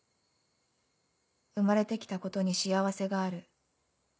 「生まれて来たことに幸せがある。